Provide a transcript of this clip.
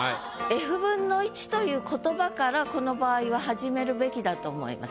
「１／Ｆ」という言葉からこの場合は始めるべきだと思います。